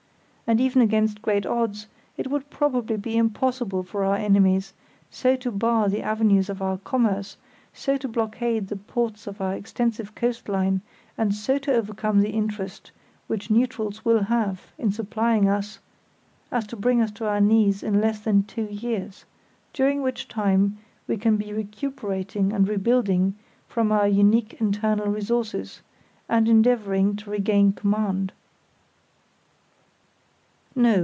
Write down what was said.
And even against great odds, it would probably be impossible for our enemies so to bar the avenues of our commerce, so to blockade the ports of our extensive coast line, and so to overcome the interest which neutrals will have in supplying us, as to bring us to our knees in less than two years, during which time we can be recuperating and rebuilding from our unique internal resources, and endeavouring to regain command.